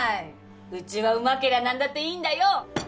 うちはうまけりゃ何だっていいんだよッ